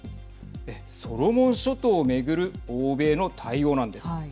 ソロモン諸島をめぐる欧米の対応なんです。